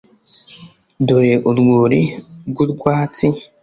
dore urwuri rwurwatsi,